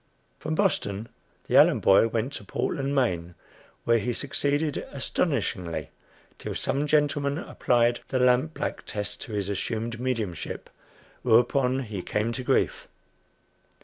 From Boston the Allen boy went to Portland, Maine, where he succeeded "astonishingly," till some gentleman applied the lampblack test to his assumed mediumship, whereupon he "came to grief."